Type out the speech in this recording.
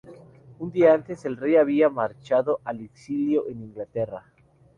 Un día antes, el rey había marchado al exilio en Inglaterra.